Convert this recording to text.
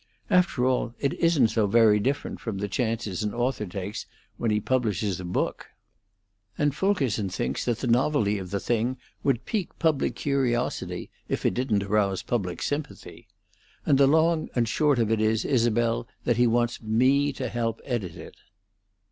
After all, it isn't so very different from the chances an author takes when he publishes a book. And Fulkerson thinks that the novelty of the thing would pique public curiosity, if it didn't arouse public sympathy. And the long and short of it is, Isabel, that he wants me to help edit it."